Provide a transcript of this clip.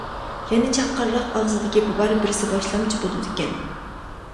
يەنە چاققانراق ئاغزىدا گېپى بار بىرسى باشلامچى بولىدىكەن.